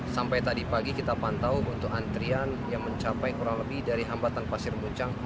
sampai tadi pagi kita pantau untuk antrian yang mencapai kurang lebih dari hambatan pasir muncang